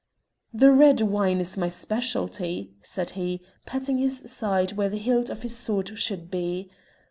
"The red wine is my specialty," said he, patting his side where the hilt of his sword should be.